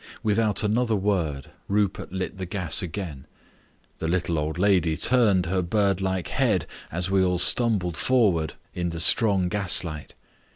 Without another word Rupert lit the gas again. The little old lady turned her bird like head as we all stumbled forward in the strong gaslight.